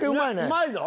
うまいぞ！